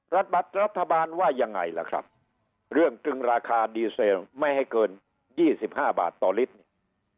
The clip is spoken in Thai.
รัฐบาทรัฐบาลว่ายังไงล่ะครับเรื่องจึงราคาดีเซลล์ไม่ให้เกินยี่สิบห้าบาทต่อลิตร